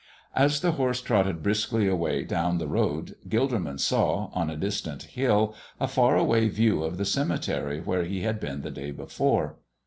As the horse trotted briskly away down the road Gilderman saw, on a distant hill, a far away view of the cemetery where he had been the day before.